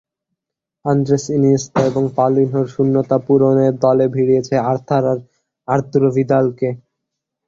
Andres Iniesta আর পাউলিনহোর শূন্যতা পূরণে দলে ভিড়িয়েছে আর্থার আর আর্তুরো ভিদালকে।